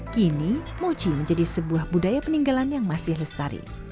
kini mochi menjadi sebuah budaya peninggalan yang masih lestari